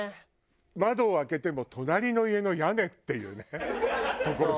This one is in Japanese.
窓を開けても隣の家の屋根っていう所出身だから。